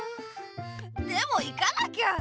でも行かなきゃ！